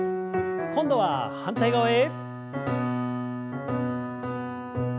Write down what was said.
今度は反対側へ。